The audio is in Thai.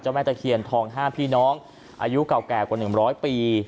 เจ้าแม่ตะเขียนทองห้าพี่น้องอายุเก่าแก่กว่าหนึ่งร้อยปี